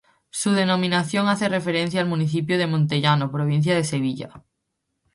Su denominación hace referencia al municipio de Montellano, provincia de Sevilla.